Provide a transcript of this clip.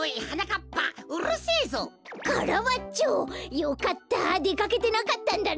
よかったでかけてなかったんだね。